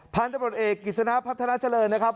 พันธุ์ตำรวจเอกกิจสนะพัฒนาเจริญนะครับ